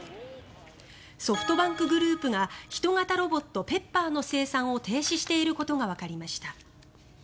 ソフトバンクグループが人型ロボットＰｅｐｐｅｒの生産を停止していることがわかりました。